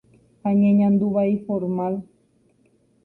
añeñandu vai formal.